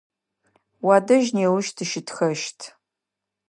Уадэжь неущ тыщытхэщт.